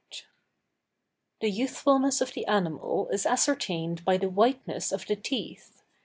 The youthfulness of the animal is ascertained by the whiteness of the teeth.